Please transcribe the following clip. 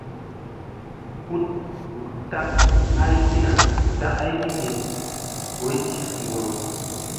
Hut tak ay nde boy jif ŋgolo.